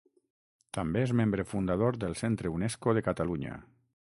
També és membre fundador del Centre Unesco de Catalunya.